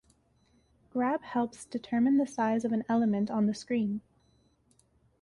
Grab helps determine the size of an element on the screen.